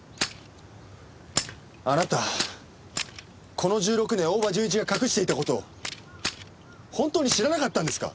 あなたこの１６年大庭純一が隠していた事をほんとに知らなかったんですか？